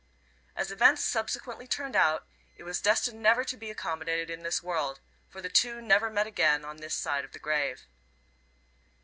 As events subsequently turned out it was destined never to be accommodated in this world, for the two never met again on this side the grave.